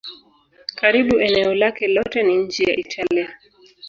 Karibu eneo lake lote ni nchi ya Italia.